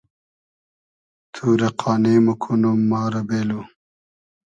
تو رۂ قانې موکونوم ما رۂ بېلو